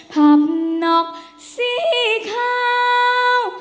พร้อมนกสีขาว